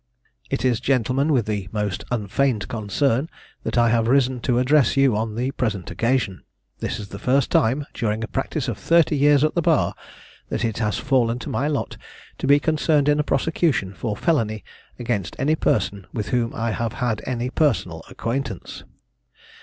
It is, gentlemen, with the most unfeigned concern, that I have risen to address you on the present occasion. This is the first time, during a practice of thirty years at the bar, that it has fallen to my lot to be concerned in a prosecution for felony against any person with whom I have had any personal acquaintance.